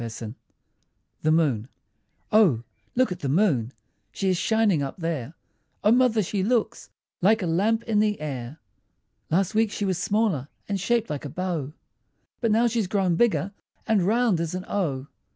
_ THE MOON O, look at the moon! She is shining up there; O mother, she looks Like a lamp in the air. Last week she was smaller, And shaped like a bow; But now she's grown bigger, And round as an O.